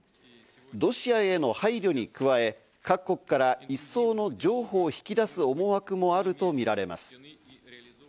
ロシアへの配慮に加え、各国から一層の譲歩を引き出す思惑もあるとみられます。